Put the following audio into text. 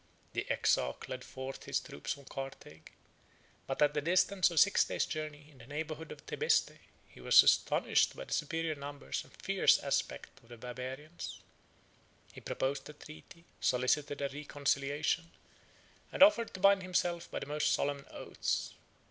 The exarch led forth his troops from Carthage: but, at the distance of six days' journey, in the neighborhood of Tebeste, 4 he was astonished by the superior numbers and fierce aspect of the Barbarians. He proposed a treaty; solicited a reconciliation; and offered to bind himself by the most solemn oaths.